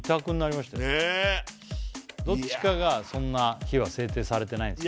いやどっちかがそんな日は制定されてないんですよ